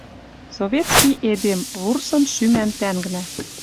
Советский эдем, вурсӹн шӱмӓн тӓнгнӓ